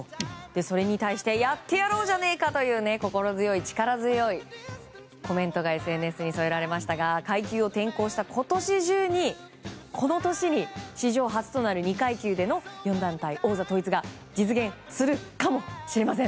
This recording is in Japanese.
それに対してやってやろうじゃねえか！と心強い、力強いコメントがＳＮＳに添えられましたが階級を転向したこの年に史上初となる２階級での４団体王座統一が実現するかもしれません。